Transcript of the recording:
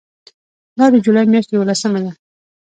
دا د جولای میاشتې یوولسمه ده.